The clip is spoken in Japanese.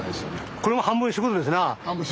これも半分仕事ですな。